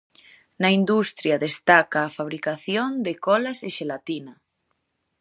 Na industria destaca a fabricación de colas e xelatina.